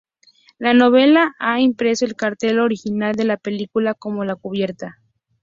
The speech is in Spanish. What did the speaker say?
La novela ha impreso el cartel original de la película como la cubierta.